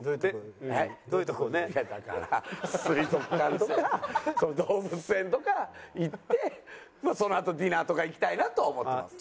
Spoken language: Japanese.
いやだから水族館とか動物園とか行ってそのあとディナーとか行きたいなとは思ってます。